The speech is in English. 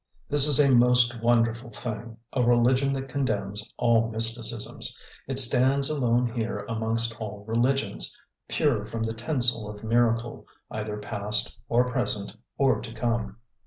This is a most wonderful thing, a religion that condemns all mysticisms. It stands alone here amongst all religions, pure from the tinsel of miracle, either past, or present, or to come.